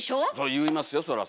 言いますよそらそら。